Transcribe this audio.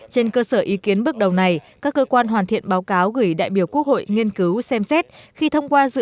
trên cơ sở ý kiến bước đầu này các cơ quan hoàn thiện báo cáo gửi đại biểu quốc hội nghiên cứu xem xét